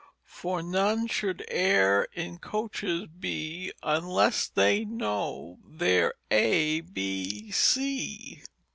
For none should e'er in coaches be, Unless they know their A, B, C."